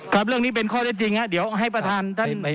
ครับเรื่องนี้เป็นข้อเท็จจริงครับเดี๋ยวให้ประธานท่าน